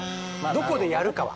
どこでやるかは。